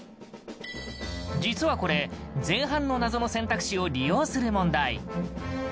実はこれ前半の謎の選択肢を利用する問題。